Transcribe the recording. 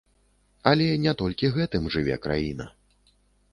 Але не толькі гэтым жыве краіна.